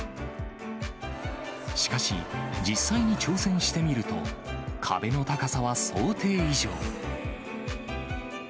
しかし、実際に挑戦してみると、壁の高さは想定以上。